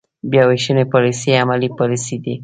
بیا وېشنې پاليسۍ عملي پاليسۍ دي.